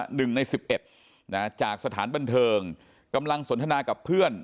หนึ่งใน๑๑จากสถานบันเทิงกำลังสนทนากับเพื่อน